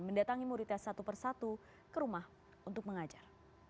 mendatangi muridnya satu persatu ke rumah untuk mengajar